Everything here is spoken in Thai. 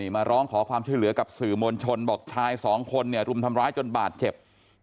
มาร้องขอความช่วยเหลือกับสื่อมวลชนบอกชายสองคนเนี่ยรุมทำร้ายจนบาดเจ็บ